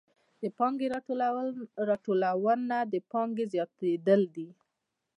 د پانګې راټولونه د پانګې زیاتېدل دي